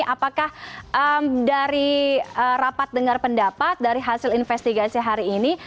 apakah dari rapat dengar pendapat dari hasil investigasi hari ini